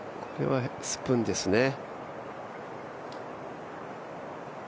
これはスプーンですね。